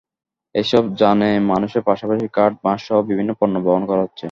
এসব যানে মানুষের পাশাপাশি কাঠ, বাঁশসহ বিভিন্ন পণ্য বহন করা হচ্ছে।